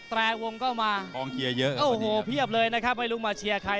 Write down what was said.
แตรวงเข้ามากองเชียร์เยอะโอ้โหเพียบเลยนะครับไม่รู้มาเชียร์ใคร